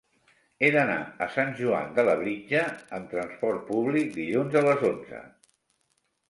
He d'anar a Sant Joan de Labritja amb transport públic dilluns a les onze.